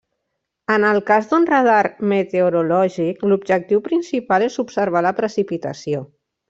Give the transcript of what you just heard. En el cas d'un radar meteorològic, l'objectiu principal és observar la precipitació.